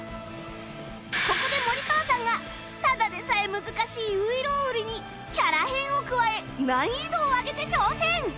ここで森川さんがただでさえ難しい「外郎売」にキャラ変を加え難易度を上げて挑戦！